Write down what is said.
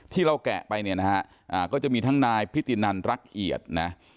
ที่เราแกะไปเนี่ยนะฮะก็จะมีทั้งนายพิตินันรักเอียดนะ